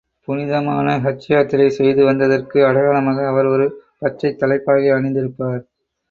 புனிதமான ஹஜ்யாத்திரை செய்து வந்ததற்கு அடையாளமாக அவர் ஒரு பச்சைத் தலைப்பாகை அணிந்திருப்பார்.